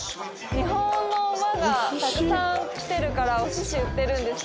日本の馬がたくさん来てるからおすし売ってるんですね。